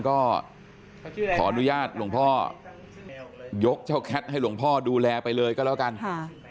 ก็ขออนุญาตหลวงพ่อยกเจ้าแคทให้หลวงพ่อดูแลไปเลยก็แล้วกันค่ะ